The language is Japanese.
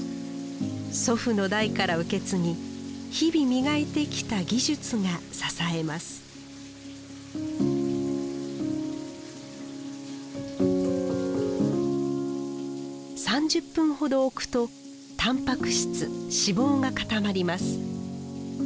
祖父の代から受け継ぎ日々磨いてきた技術が支えます３０分ほど置くとたんぱく質脂肪が固まります。